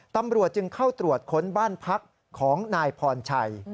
ตำรวจจึงเข้าตรวจค้นบ้านพักของนายพรชัย